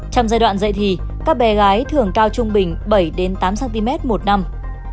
trong giai đoạn dạy thị các bé gái thường cao trung bình bảy đến tám cm một năm